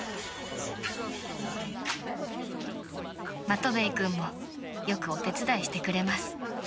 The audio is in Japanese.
［マトヴェイ君もよくお手伝いしてくれます］